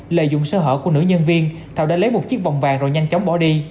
lợi dụng sơ hở của nữ nhân viên thảo đã lấy một chiếc vòng vàng rồi nhanh chóng bỏ đi